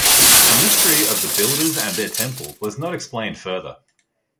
The mystery of the Builders and their Temple was not explained further.